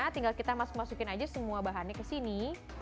tinggal kita masuk masukin aja semua bahannya kesini